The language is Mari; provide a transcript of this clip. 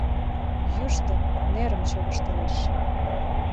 Йӱштӧ, нерым чывыштылеш.